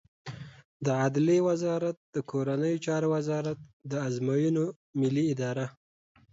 د عدلیې وزارت د کورنیو چارو وزارت، د ازموینو ملی اداره